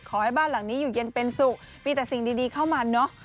ขอให้บ้านหลังนี้อยู่เย็นเป็นสุขมีแต่สิ่งดีเข้ามาเนอะ